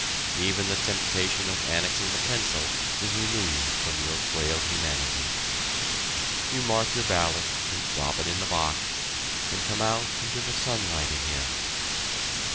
Even the temptation of annexing the pencil is removed from your frail humanity. You mark your ballot, and drop it in the box, and come out into the sunlight again.